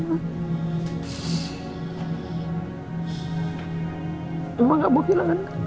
mama gak mau kehilangan